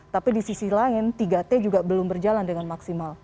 tapi di sisi lain tiga t juga belum berjalan dengan maksimal